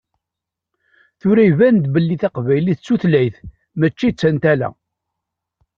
Tura iban-d belli taqbaylit d tutlayt mačči d tantala.